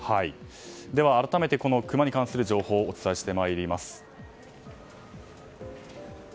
改めて、クマに関する情報お伝えしてまいります。